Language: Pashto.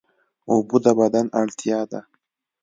اوبه د بدن اړتیا ده